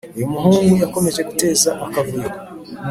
uyumuhungu yakomeje guteza akavuyo